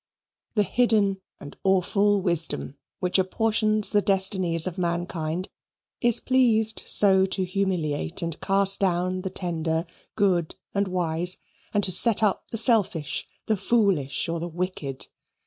The hidden and awful Wisdom which apportions the destinies of mankind is pleased so to humiliate and cast down the tender, good, and wise, and to set up the selfish, the foolish, or the wicked.